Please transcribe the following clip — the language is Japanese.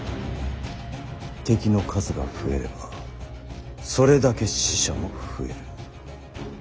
敵の数が増えればそれだけ死者も増える。